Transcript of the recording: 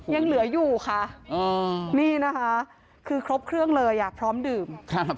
ยังเหลืออยู่ค่ะนี่นะคะคือครบเครื่องเลยอ่ะพร้อมดื่ม